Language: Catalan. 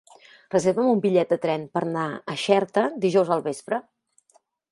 Reserva'm un bitllet de tren per anar a Xerta dijous al vespre.